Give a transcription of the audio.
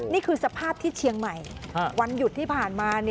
นี่คือสภาพที่เชียงใหม่วันหยุดที่ผ่านมา